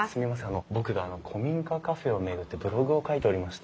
あの僕古民家カフェを巡ってブログを書いておりまして。